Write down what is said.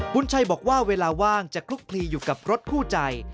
บุญชัยบอกว่าเวลาว่างจะคลุกคลีอยู่กับรถคู่ใจ